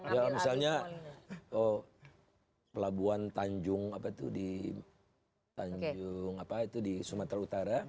ya misalnya pelabuhan tanjung apa itu di tanjung apa itu di sumatera utara